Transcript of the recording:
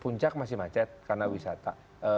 puncak masih macet karena wisata